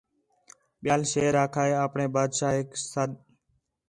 ٻِیال شیر آکھا ہِے اپݨے بادشاہیک سَݙ